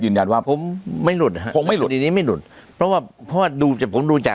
ยินยันว่าผมไม่หลุดไม่หลุดเพราะว่าก็ดูจะผมดูแต่